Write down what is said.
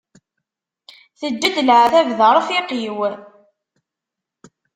Teǧǧa-d leɛtab d arfiq-iw.